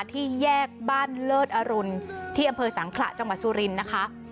ที่แยกบ้านเลิศอรุณที่อำเภอสังขระจังหวัดสุรินทร์นะคะ